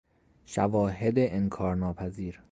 شواهد انکارناپذیر